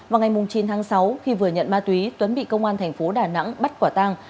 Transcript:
vào ngày chín tháng sáu khi vừa nhận ma túy tuấn bị công an thành phố đà nẵng bắt quả tang